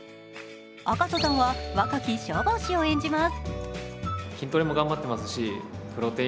赤楚さんは若き消防士を演じます。